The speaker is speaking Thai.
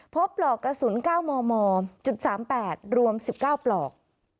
ปลอกกระสุน๙มม๓๘รวม๑๙ปลอก